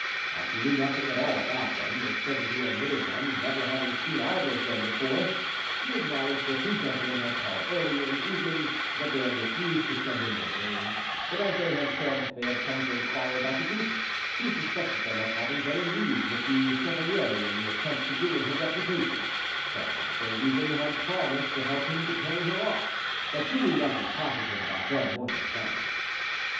As he knew nothing at all about them, the servant who admitted them never having seen either of them before, she acknowledged that two gentlemen had called earlier in the evening; that they had refused to send in their names, but as they had said they had come to inquire about the duke, she suspected them of having been in league with the chevalier in the attempt to ruin her reputation, perhaps they had even promised to help him to carry her off, but she knew nothing positive about them or their plans.